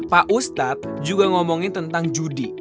pak ustadz juga ngomongin tentang judi